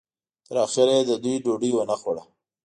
تر اخره یې د دوی ډوډۍ ونه خوړه.